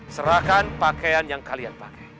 serahkan pakaian yang kalian pakai